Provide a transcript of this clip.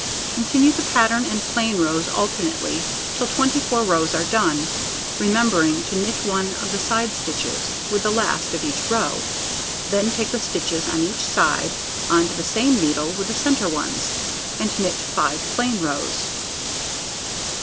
Continue the pattern and plain rows alternately till 24 rows are done, remembering to knit 1 of the side stitches with the last of each row; then take the stitches on each side on to the same needle with the centre ones, and knit 5 plain rows.